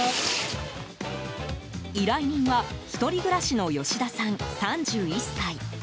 依頼人は１人暮らしの吉田さん、３１歳。